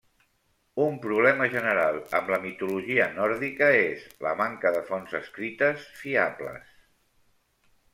Un problema general amb la mitologia nòrdica és la manca de fonts escrites fiables.